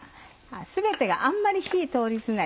全てがあんまり火通り過ぎない